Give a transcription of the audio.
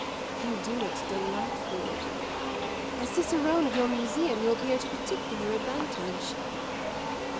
"You do it delightfully. As cicerone of your museum you appear to particular advantage."